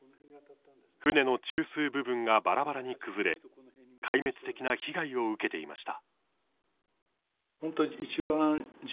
船の中枢部分が、ばらばらに崩れ壊滅的な被害を受けていました。